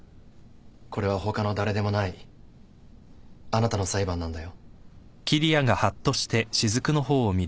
これは他の誰でもないあなたの裁判なんだよ。